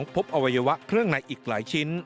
อวัยวะเครื่องในอีกหลายชิ้น